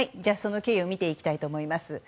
その経緯を見ていきたいと思います。